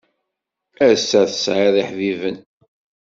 Ass-a tesɛiḍ iḥbiben.